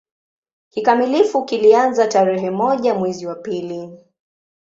Kikamilifu kilianza tarehe moja mwezi wa pili